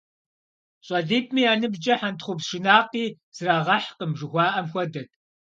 ЩӀалитӀми я ныбжькӀэ хьэнтхъупс шынакъи зэрагъэхькъым жыхуаӀэм хуэдэт.